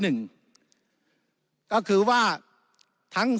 แต่การเลือกนายกรัฐมนตรี